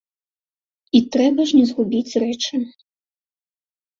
І трэба ж не згубіць рэчы.